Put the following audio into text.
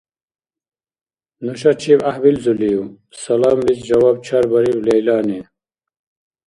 — Нушачиб гӀяхӀбилзулив? — саламлис жаваб чарбариб Лейлани.